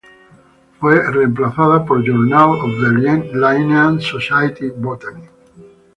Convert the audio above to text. Fue reemplazada por "Journal of the Linnean Society, Botany".